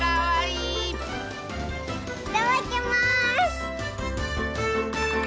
いただきます！